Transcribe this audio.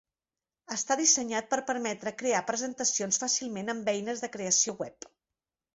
Està dissenyat per permetre crear presentacions fàcilment amb eines de creació web.